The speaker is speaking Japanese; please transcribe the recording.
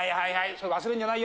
それ忘れんじゃないよ。